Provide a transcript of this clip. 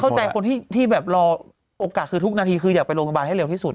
คนที่แบบรอโอกาสคือทุกนาทีคืออยากไปโรงพยาบาลให้เร็วที่สุด